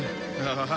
ハハハ。